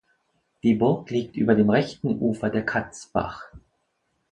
Die Burg liegt über dem rechten Ufer der Katzbach.